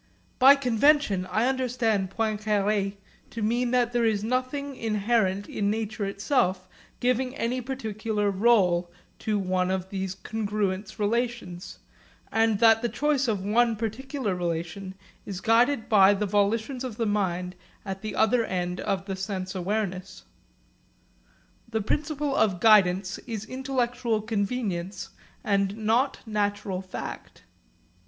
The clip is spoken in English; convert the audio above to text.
By 'convention' I understand Poincaré to mean that there is nothing inherent in nature itself giving any peculiar rôle to one of these congruence relations, and that the choice of one particular relation is guided by the volitions of the mind at the other end of the sense awareness. The principle of guidance is intellectual convenience and not natural fact.